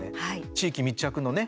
地域密着のね